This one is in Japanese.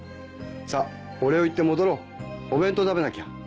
さっお礼を言って戻ろうお弁当食べなきゃ。